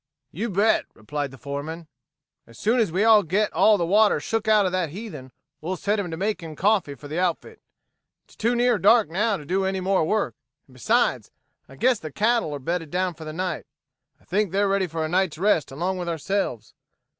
"You bet," replied the foreman. "As soon as we get all the water shook out of that heathen we'll set him to making coffee for the outfit. It's too near dark now to do any more work; and, besides, I guess the cattle are bedded down for the night. I think they're ready for a night's rest along with ourselves.